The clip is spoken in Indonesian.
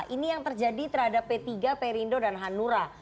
ini yang terjadi terhadap p tiga perindo dan hanura